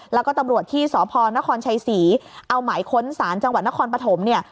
แล้วก็ตำรวจที่สพนครชัยศรีเอาหมายค้นศาลจังหวัดนครปฐมเนี่ย